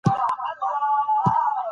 الله تعالی لره ښکلي نومونه دي